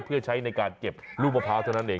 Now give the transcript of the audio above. เพื่อใช้ในการเก็บลูกมะพร้าวเท่านั้นเอง